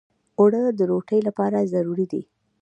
اوړه د روتۍ لپاره ضروري دي